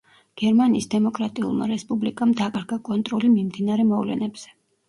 გერმანიის დემოკრატიულმა რესპუბლიკამ დაკარგა კონტროლი მიმდინარე მოვლენებზე.